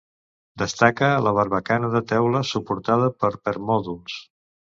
Destaca la barbacana de teula suportada per permòdols.